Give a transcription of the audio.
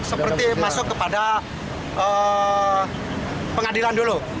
seperti masuk kepada pengadilan dulu